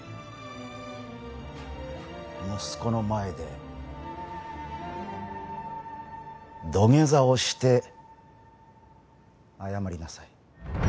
息子の前で土下座をして謝りなさい。